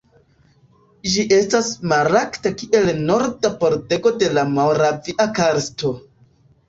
Ĝi estas markata kiel "Norda pordego de Moravia karsto".